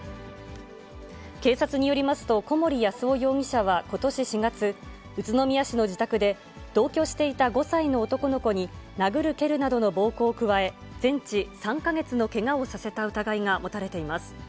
警察によりますと、小森安男容疑者は、ことし４月、宇都宮市の自宅で、同居していた５歳の男の子に、殴る蹴るなどの暴行を加え、全治３か月のけがをさせた疑いが持たれています。